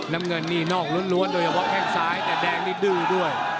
น้ำเงินนี่นอกล้วนโดยเฉพาะแข้งซ้ายแต่แดงนี่ดื้อด้วย